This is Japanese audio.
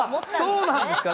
そうなんですか？